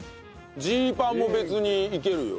ジーパンも別にいけるよ。